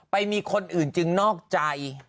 ไปมีคนอื่นจึงนอกใจ